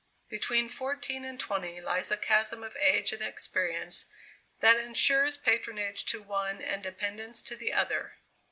Between fourteen and twenty lies a chasm of age and experience that ensures patronage to one and dependence to the other.